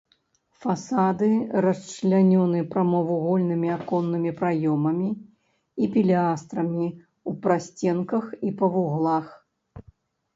Фасады расчлянёны прамавугольнымі аконнымі праёмамі і пілястрамі ў прасценках і па вуглах.